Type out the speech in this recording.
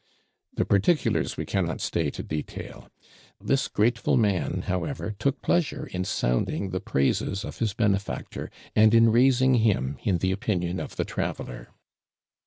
The particulars we cannot stay to detail: this grateful man, however, took pleasure in sounding the praises of his benefactor, and in raising him in the opinion of the traveller.